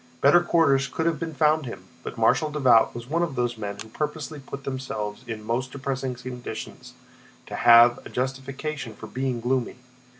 Better quarters could have been found him, but Marshal Davout was one of those men who purposely put themselves in most depressing conditions to have a justification for being gloomy.